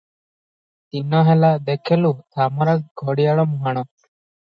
ଦିନ ହେଲା, ଦେଖଲୁଁ, ଧାମରା ଘଡ଼ିଆଳ ମୁହାଣ ।